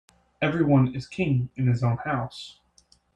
Every one is king in his own house.